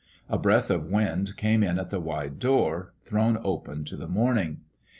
A breath of wind came in at the wide door, thrown open to the morning.